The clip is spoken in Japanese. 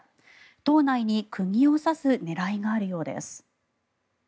党内に釘を刺す狙いがあるようです。